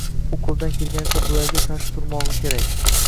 U qoʻlidan kelganicha bularga qarshi turmogʻi kerak